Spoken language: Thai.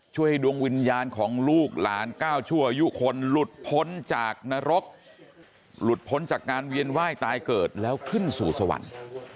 ช่วยให้ดวงวิญญาณของลูกหลานก้าวชั่วอายุคนหลุดพ้นจากนรกหลุดพ้นจากงานเวียนไหว้ตายเกิดแล้วขึ้นสู่สวรรค์